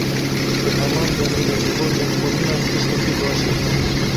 Di heman demê de ji bo lêkolînan tiştekî baş e.